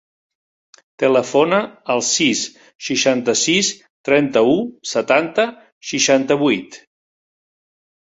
Telefona al sis, seixanta-sis, trenta-u, setanta, seixanta-vuit.